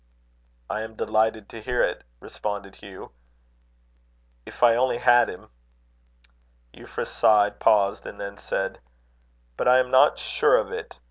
"I am delighted to hear it," responded Hugh. "If I only had him!" Euphra sighed, paused, and then said: "But I am not sure of it.